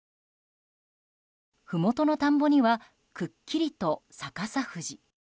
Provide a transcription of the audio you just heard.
ふもとの田んぼにはくっきりと逆さ富士。